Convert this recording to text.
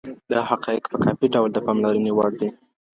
دا حقایق په کافي ډول د پاملرنې وړ دي.